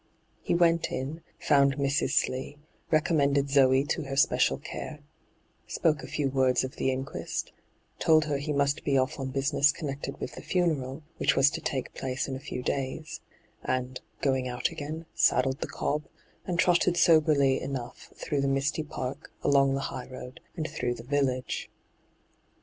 He went in, found Mrs. Slee, recommended Zoe to her special care, spoke a few words of the inquest, told her he must be o£f on business connected with the funeral, which was to take place in a few days — and, going out ^un, saddled tiie cob, and trotted soberly enough through the mffity park, along the highroad, and Uirough the village.